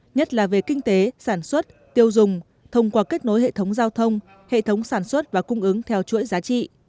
nhất là về kinh tế sản xuất tiêu dùng thông qua kết nối hệ thống giao thông hệ thống sản xuất và cung ứng theo chuỗi giá trị